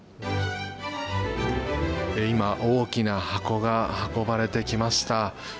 今、大きな箱が運ばれてきました。